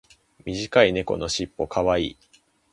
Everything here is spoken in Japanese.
短い猫のしっぽ可愛い。